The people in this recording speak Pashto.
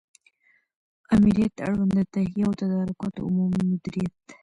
آمریت اړوند د تهیه او تدارکاتو عمومي مدیریت